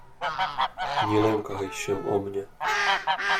"Nie lękaj się o mnie."